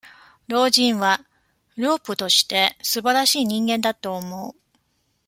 老人は、漁夫として、すばらしい人間だと思う。